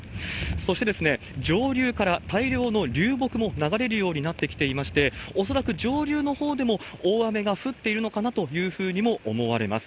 そして上流から大量の流木も流れるようになってきていまして、恐らく上流のほうでも大雨が降っているのかなというふうにも思われます。